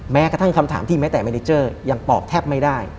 แม้กระทั่งคำถามที่แม้แต่เมนิเจอร์ยังตอบแทบไม่ได้